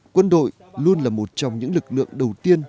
quân đội luôn là một trong những lực lượng đầu tiên